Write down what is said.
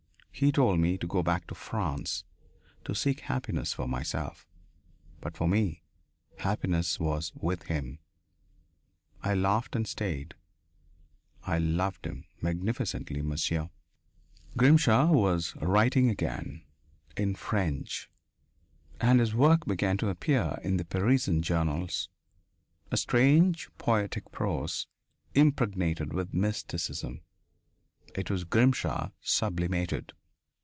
He told me to go back to France, to seek happiness for myself. But for me happiness was with him. I laughed and stayed. I loved him magnificently, monsieur." Grimshaw was writing again in French and his work began to appear in the Parisian journals, a strange poetic prose impregnated with mysticism. It was Grimshaw, sublimated.